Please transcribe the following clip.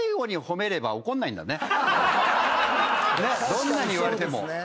どんなに言われても。